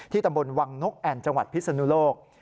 ตำบลวังนกแอ่นจังหวัดพิศนุโลก